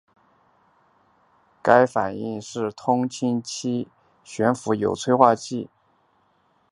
该反应是通氢气于悬浮有催化剂的酰氯溶液中来进行。